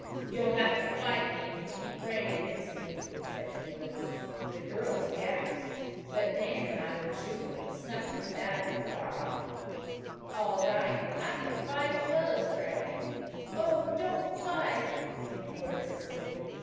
"You'll have to fight me, if you keep on praying against me," said Felix. The girls gasped; but Dan and I were jubilant, snuffing battle afar off. "All right. I can fight as well as pray." "Oh, don't fight," implored Cecily.